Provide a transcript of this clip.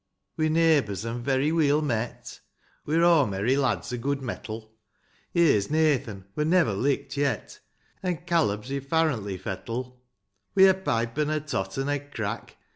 II. We're neighbours, an' very weel met ; We're o' merry lads, o' good mettle ; Here's Nathan, — wur never licked yet, — An' Caleb's i' farrantly fettle. Wi' a pipe, an' a tot, an' a crack.